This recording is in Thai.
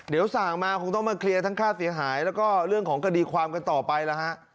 เดี๋ยวสั่งมาคงต้องมาเคลียร์ทั้งค่าเสียหายแล้วก็เรื่องของคดีความกันต่อไปแล้วฮะ